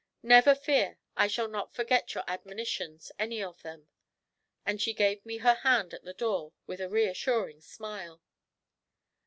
Never fear, I shall not forget your admonitions, any of them.' And she gave me her hand at the door with a reassuring smile.